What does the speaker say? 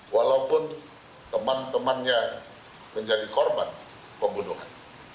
walaupun teman temannya menjadi korban pembunuhan